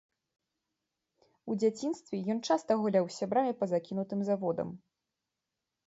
У дзяцінстве ён часта гуляў з сябрамі па закінутым заводам.